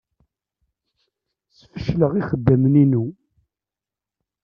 Sfecleɣ ixeddamen-inu.